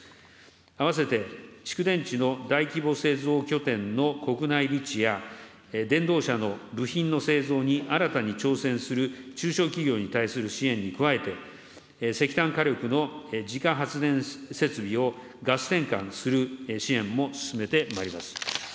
併せて蓄電池の大規模製造拠点の国内立地や電動車の部品の製造に新たに挑戦する中小企業に対する支援に加えて、石炭火力の自家発電設備をガス転換する支援も進めてまいります。